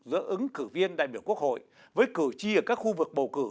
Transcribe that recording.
của những cử viên đại biểu quốc hội với cử tri ở các khu vực bầu cử